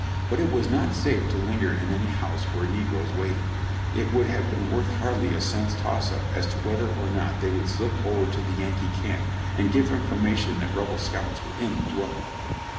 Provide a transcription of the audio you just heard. But it was not safe to linger in any house where negroes waited ; it would have been worth hardly a cent's toss up as to whether or not they would slip over to the Yankee camp and give information that Rebel scouts were in the dwelling.